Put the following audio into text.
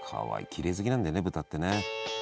きれい好きなんだよね豚ってね。